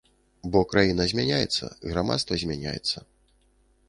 Бо краіна змяняецца, грамадства змяняецца.